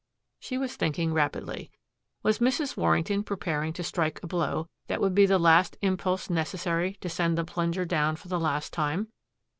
She was thinking rapidly. Was Mrs. Warrington preparing to strike a blow that would be the last impulse necessary to send the plunger down for the last time?